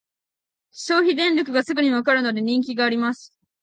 消費電力がすぐにわかるので人気があります